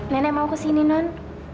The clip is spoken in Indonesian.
nenek mau kesini non